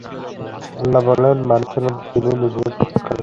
আল্লাহ বলেন-মানুষের মধ্যে তিনি নিজেকে ফুৎকার করেছেন।